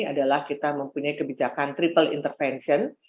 adalah kita mempunyai kebijakan triple intervention